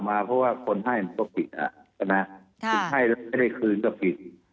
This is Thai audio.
ไม่ใช่ไม่เนาะ